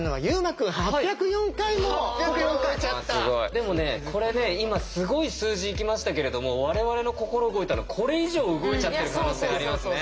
でもねこれね今すごい数字いきましたけれども我々の心動いたのこれ以上動いちゃってる可能性ありますね。